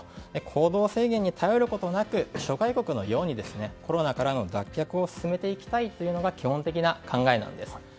行動制限に頼ることなく諸外国のようにコロナからの脱却を進めていきたいというのが基本的な考えなんです。